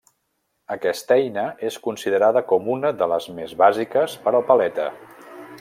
Aquesta eina és considerada com una de les més bàsiques per al paleta.